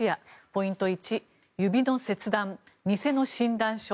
ポイント１指の切断、偽の診断書